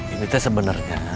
ini teh sebenarnya